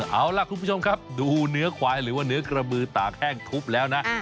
เอาล่ะคุณผู้ชมครับดูเนื้อควายหรือว่าเนื้อกระบือตากแห้งทุบแล้วนะ